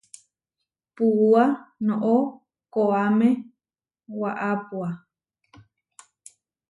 Puúa noʼó koaʼme waʼapua.